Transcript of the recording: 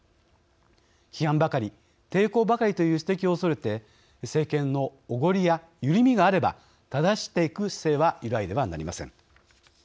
批判ばかり、抵抗ばかりという指摘を恐れて、政権のおごりやゆるみがあれば正していく姿勢は揺らいではなりません。